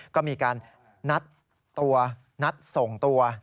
ก็มีการนัดตัวนัดส่งตัว